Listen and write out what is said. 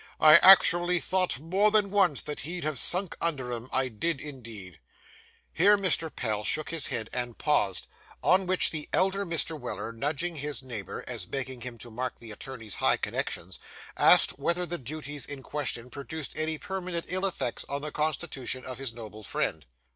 I actually thought more than once that he'd have sunk under 'em; I did, indeed.' Here Mr. Pell shook his head and paused; on which, the elder Mr. Weller, nudging his neighbour, as begging him to mark the attorney's high connections, asked whether the duties in question produced any permanent ill effects on the constitution of his noble friend.